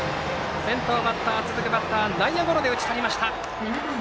先頭バッター、続くバッターを内野ゴロで打ち取りました。